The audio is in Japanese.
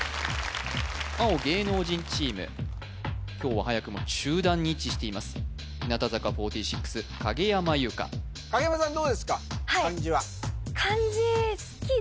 青芸能人チーム今日ははやくも中段に位置しています日向坂４６影山優佳影山さん